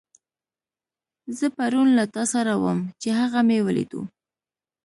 زه پرون له تاسره وم، چې هغه مې وليدو.